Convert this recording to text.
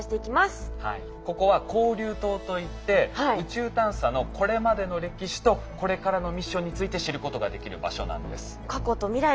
ここは交流棟といって宇宙探査のこれまでの歴史とこれからのミッションについて知ることができる場所なんです。